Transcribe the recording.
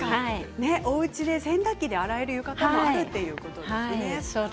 おうちで洗濯機で洗える浴衣もあるということですね。